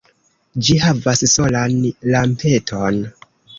Ĝi havas solan lampeton.